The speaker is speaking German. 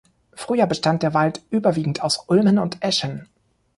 Früher bestand der Wald überwiegend aus Ulmen und Eschen.